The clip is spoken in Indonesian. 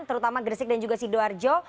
terutama gresik dan juga sidoarjo